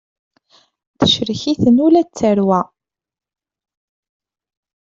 Tecrek-iten ula d tarwa.